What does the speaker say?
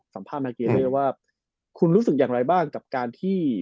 สัมภาษณ์นาเกได้ว่าคุณรู้สึกอย่างไรบ้างกับการที่